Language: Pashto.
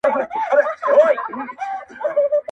پلار دزویه حرام غواړي نه شرمېږي-